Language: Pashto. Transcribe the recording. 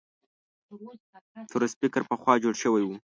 طرز فکر پخوا جوړ شوي وو.